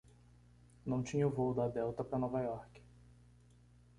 Não tinha voo da Delta pra Nova Iorque.